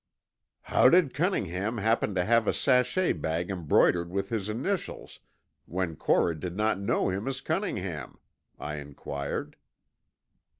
"How did Cunningham happen to have a sachet bag embroidered with his initials when Cora did not know him as Cunningham?" I inquired.